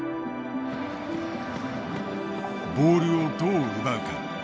ボールをどう奪うか。